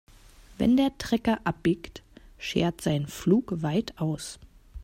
Wenn der Trecker abbiegt, schert sein Pflug weit aus.